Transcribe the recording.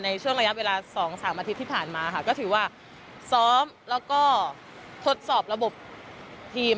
ในช่วงระยะเวลา๒๓อาทิตย์ที่ผ่านมาค่ะก็ถือว่าซ้อมแล้วก็ทดสอบระบบทีม